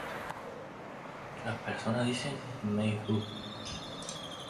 Las personas dicen May Who?